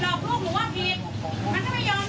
แต่หนูรู้ว่าลูกมันที่ใส่มันเป็นอย่างนี้